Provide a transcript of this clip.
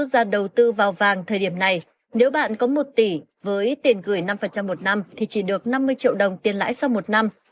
nếu ra đầu tư vào vàng thời điểm này nếu bạn có một tỷ với tiền gửi năm một năm thì chỉ được năm mươi triệu đồng tiền lãi sau một năm